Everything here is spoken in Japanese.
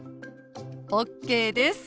ＯＫです。